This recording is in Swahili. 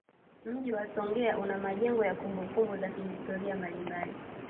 Mji wa Songea una majengo ya kumbukumbu za kihistoria mbalimbali